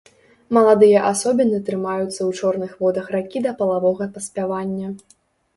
Маладыя асобіны трымаюцца ў чорных водах ракі да палавога паспявання.